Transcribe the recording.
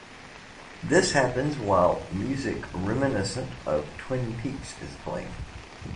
This happens while music reminiscent of "Twin Peaks" is playing.